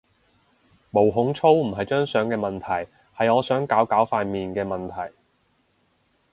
毛孔粗唔係張相嘅問題，係我想搞搞塊面嘅問題